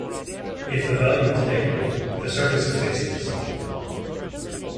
If the value is negative, the surface is facing the sun.